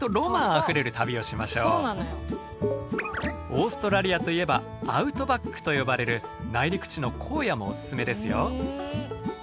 オーストラリアといえばアウトバックと呼ばれる内陸地の荒野もおすすめですよ。